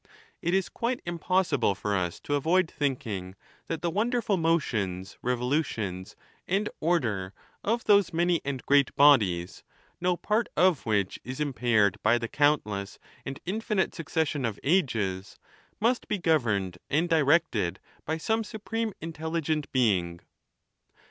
It is quite impossible for us to avoid thinking that the wonderful motions, revolutions, and or der of those many and great bodies, no part of which is impaired by the countless and infinite succession of ages, must be governed and directed by some supreme intelli gent being.